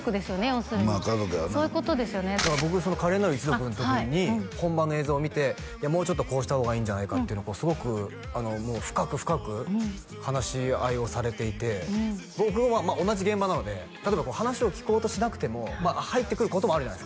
要するにまあ家族やなだから僕「華麗なる一族」の時に本番の映像を見ていやもうちょっとこうした方がいいんじゃないかっていうのをすごく深く深く話し合いをされていて僕も同じ現場なので例えば話を聞こうとしなくても入ってくることもあるじゃないですか